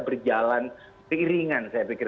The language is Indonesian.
berjalan diiringan saya pikir